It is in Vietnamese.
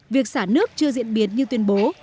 việc xả nước chưa diễn biến như tuyên bố